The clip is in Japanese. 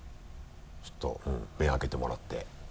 ちょっと目を開けてもらって。